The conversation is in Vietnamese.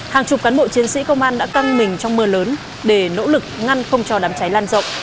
hàng chục cán bộ chiến sĩ công an đã căng mình trong mưa lớn để nỗ lực ngăn không cho đám cháy lan rộng